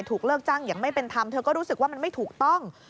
เลิกจ้างอย่างไม่เป็นธรรมเธอก็รู้สึกว่ามันไม่ถูกต้อง